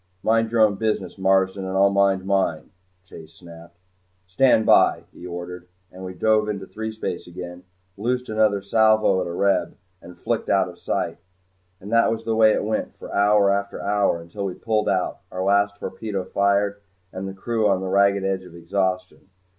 "Mind your own business, Marsden and I'll mind mine," Chase snapped. "Stand by," he ordered, and we dove into threespace again loosed another salvo at another Reb, and flicked out of sight. And that was the way it went for hour after hour until we pulled out, our last torpedo fired and the crew on the ragged edge of exhaustion.